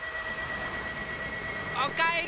おかえり！